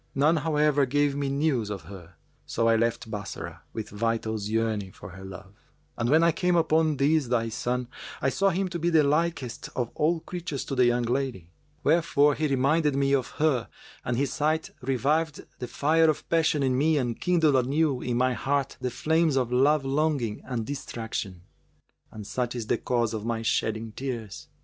None, however, gave me news of her; so I left Bassorah, with vitals yearning for her love; and when I came upon this thy son, I saw him to be the likest of all creatures to the young lady; wherefore he reminded me of her and his sight revived the fire of passion in me and kindled anew in my heart the flames of love longing and distraction. And such is the cause of my shedding tears!"